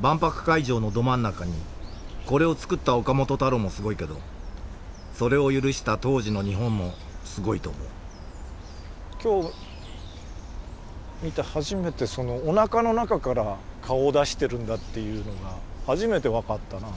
万博会場のど真ん中にこれを作った岡本太郎もすごいけどそれを許した当時の日本もすごいと思う今日見て初めておなかの中から顔を出してるんだっていうのが初めて分かったな。